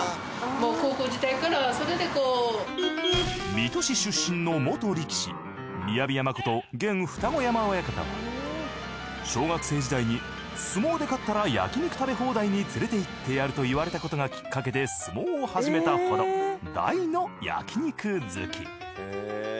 水戸市出身の元力士雅山こと現二子山親方は小学生時代に相撲で勝ったら焼肉食べ放題に連れていってやると言われたことがきっかけで相撲を始めたほど大の焼肉好き。